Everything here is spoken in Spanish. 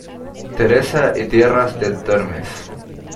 Teresa y Tierras del Tormes.